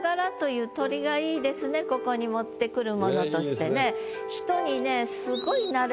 まあここに持ってくるものとしてね。